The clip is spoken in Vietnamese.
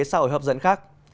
xã hội hấp dẫn khác